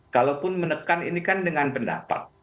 kalaupun menekan ini kan dengan pendapat